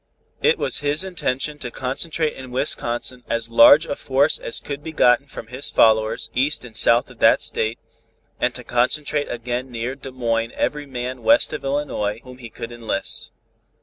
It was his intention to concentrate in Wisconsin as large a force as could be gotten from his followers east and south of that state, and to concentrate again near Des Moines every man west of Illinois whom he could enlist.